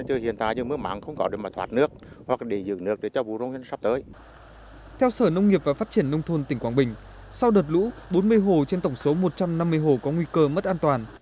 theo sở nông nghiệp và phát triển nông thôn tỉnh quảng bình sau đợt lũ bốn mươi hồ trên tổng số một trăm năm mươi hồ có nguy cơ mất an toàn